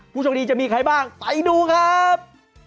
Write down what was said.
ผู้โชคดีจะมีใครบ้างไปดูครับ